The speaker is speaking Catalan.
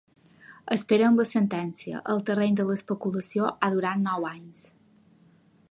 Esperem la sentència, el terreny de l’especulació ha durat nou anys.